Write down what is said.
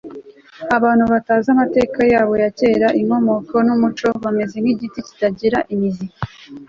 abantu batazi amateka yabo ya kera, inkomoko n'umuco bameze nk'igiti kidafite imizi. - marcus garvey